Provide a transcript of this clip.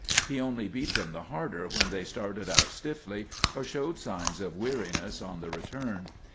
He only beat them the harder when they started out stiffly or showed signs of weariness on the return.